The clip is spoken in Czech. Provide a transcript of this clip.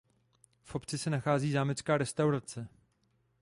V obci se nachází Zámecká restaurace.